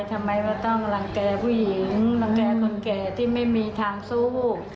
ทำไมเราต้องรังแก่ผู้หญิงรังแก่คนแก่ที่ไม่มีทางสู้